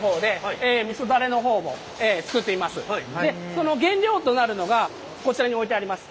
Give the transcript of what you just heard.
その原料となるのがこちらに置いてあります